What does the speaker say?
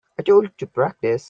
I told you to practice.